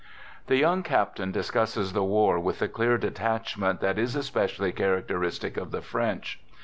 The young captain discusses the war with the clear detachment that is especially characteristic of the French.